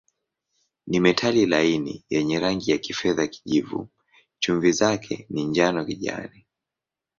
Ni metali laini yenye rangi ya kifedha-kijivu, chumvi zake ni njano-kijani.